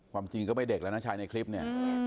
ความจริงก็ไม่เด็กแล้วนะชายในคลิปเนี่ย